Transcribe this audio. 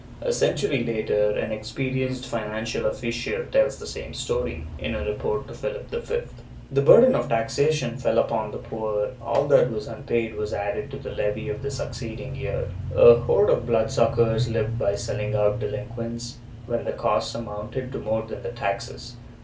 A century later an experienced financial official tells the same story, in a report to Philip V. The burden of taxation fell upon the poor; all that was unpaid was added to the levy of the succeeding year; a horde of blood suckers lived by selling out delinquents, when the costs amounted to more than the taxes.